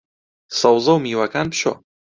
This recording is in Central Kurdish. سەوزە و میوەکان بشۆ